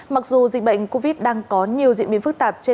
mặc dù dịch bệnh covid đang có nhiều diễn biến phức tạp